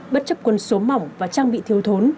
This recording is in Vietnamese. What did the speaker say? bất chấp quân số mỏng và trang bị thiếu thốn